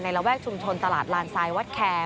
ระแวกชุมชนตลาดลานทรายวัดแคร์